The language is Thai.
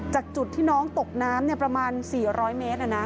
จากจุดที่น้องตกน้ำประมาณ๔๐๐เมตร